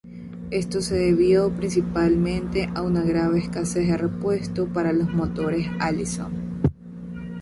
Esto se debió principalmente a una grave escasez de repuestos para los motores Allison.